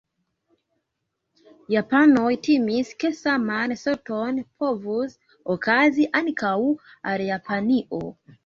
Japanoj timis ke saman sorton povus okazi ankaŭ al Japanio.